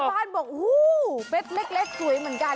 บ้านบอกโอ้โหเบ็ดเล็กสวยเหมือนกัน